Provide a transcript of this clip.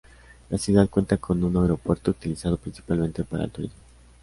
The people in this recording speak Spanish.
La ciudad cuenta con un aeropuerto utilizado principalmente para el turismo.